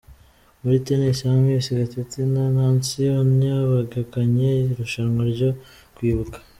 Muri Tennis, Hamiss Gatete na Nancy Onya begukanye irushanwa ryo kwibuka.